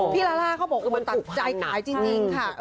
พี่ลาล่าเขาบอกว่าตัดใจกายจริงค่ะ